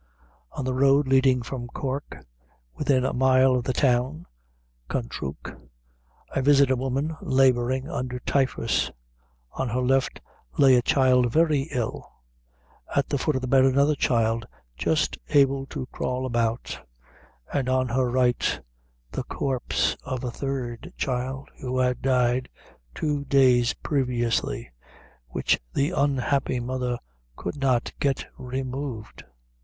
"'On the road leading from Cork, within a mile of the town (Kanturk), I visited a woman laboring under typhus; on her left lay a child very ill, at the foot of the bed another child just able to crawl about, and on her right the corpse of a third child who had died two days previously, which the unhappy mother could not get removed.'